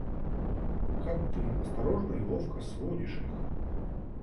Как ты осторожно и ловко сводишь их...